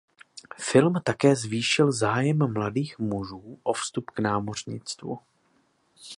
Film také zvýšil zájem mladých mužů o vstup k námořnictvu.